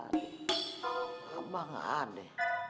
rumah enggak ada